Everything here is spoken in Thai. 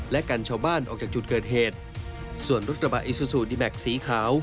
และกันชาวบ้านออกจากจุดเกิดเหตุส่วนรถกระบะอิซูซูดีแม็กสีขาว